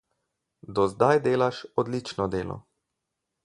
Do zdaj delaš odlično delo.